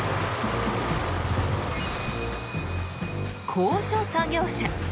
高所作業車。